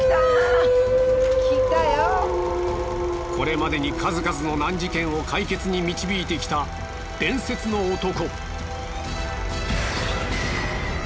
これまでに数々の難事件を解決に導いてきた伝説の男。